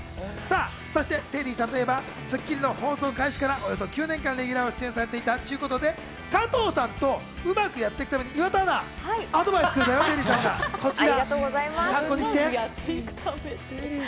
そしてテリーさんといえば『スッキリ』の放送開始からおよそ９年間レギュラー出演されていたということで、加藤さんとうまくやっていくために岩田アナにアドバイスをくれたよ、こちら。